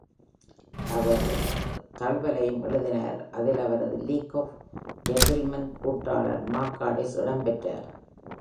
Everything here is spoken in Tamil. அவர் தழுவலையும் எழுதினார், அதில் அவரது "லீக் ஆஃப் ஜென்டில்மேன்" கூட்டாளர் மார்க் காடிஸ் இடம்பெற்றார்.